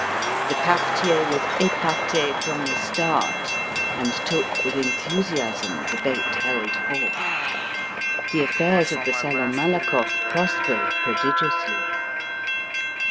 The quartier was épaté from the start, and took with enthusiasm the bait held forth. The affairs of the Salon Malakoff prospered prodigiously.